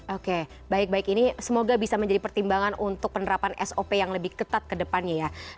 oke baik baik ini semoga bisa menjadi pertimbangan untuk penerapan sop yang lebih ketat ke depannya ya